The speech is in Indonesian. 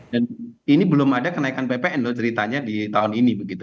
dan ini belum ada kenaikan ppn loh ceritanya di tahun ini begitu